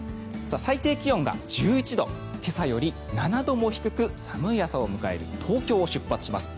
最低気温が１１度今朝より７度も低く寒い朝を迎える東京を出発します。